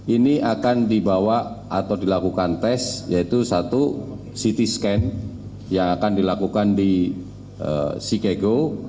ini akan dibawa atau dilakukan tes yaitu satu ct scan yang akan dilakukan di sikego